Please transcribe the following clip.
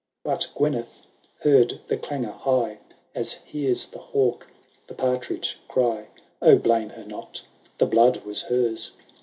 XXIII. But Oyneth heard the clangour high, As hears the hawk the partridge cry. Oh, blame her not I the blood was hers.